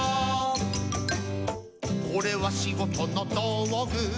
「これはしごとのどうぐ」